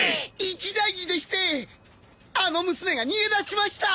一大事でしてあの娘が逃げ出しました！